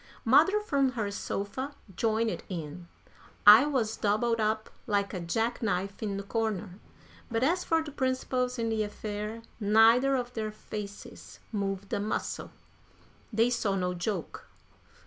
Mother from her sofa joined in. I was doubled up like a jack knife in the corner. But as for the principals in the affair, neither of their faces moved a muscle. They saw no joke.